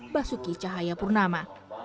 basuki cahaya purnama